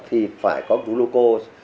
thì phải có glucose